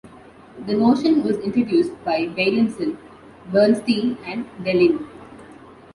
The notion was introduced by Beilinson, Bernstein and Deligne.